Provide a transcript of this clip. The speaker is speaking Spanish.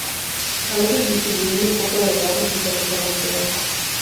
A veces distribuyendo un poco de helado junto con las peras.